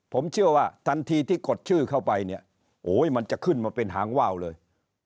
ผมเชื่อว่าทันทีที่กดชื่อเข้าไปเนี่ยโอ้ยมันจะขึ้นมาเป็นหางว่าวเลย